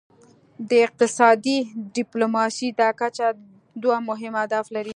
د اقتصادي ډیپلوماسي دا کچه دوه مهم اهداف لري